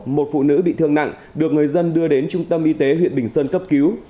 một phụ nữ bị thương nặng được người dân đưa đến trung tâm y tế huyện bình sơn cấp cứu